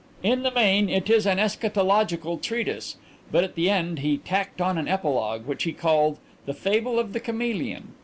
In the main it is an eschatological treatise, but at the end he tacked on an epilogue, which he called 'The Fable of the Chameleon.'